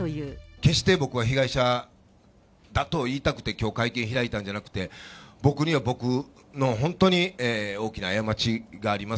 決して僕は被害者だと言いたくて、きょう会見開いたんじゃなくて、僕には僕の本当に大きな過ちがあります。